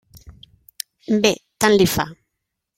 Bé, tant li fa.